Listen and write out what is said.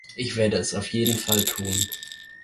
Ich werde es auf jeden Fall tun.